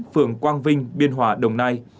phường quang vinh biên hòa đồng nai